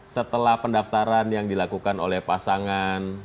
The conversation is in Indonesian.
setelah pendaftaran yang dilakukan oleh pasangan